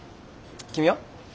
君は？